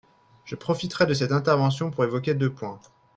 Je profiterai de cette intervention pour évoquer deux points.